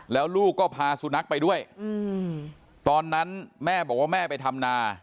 แล้วลูกก็พาสุนัขไปด้วยตอนนั้นแม่บอกว่าแม่ไปทำนา